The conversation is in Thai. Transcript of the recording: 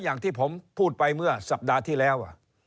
อย่างที่ผมพูดไปเมื่อสัปดาห์ที่แล้ว